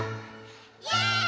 イェーイ！